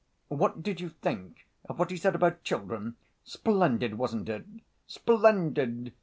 "What did you think of what he said about children? Splendid, wasn't it?" "Splendid!"